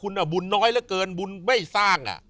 มันน้อยเหลือเกินบุญไม่สร้าง